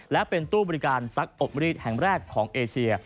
และเป็นตู้บริการซักอบรีดแห่งแรกของเอเชีย